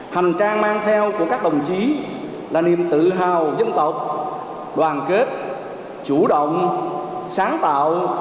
hành trang mang theo của các đồng chí là niềm tự hào dân tộc đoàn kết chủ động sáng tạo